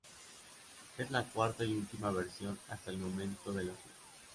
Es la cuarta y última versión hasta el momento de la suite.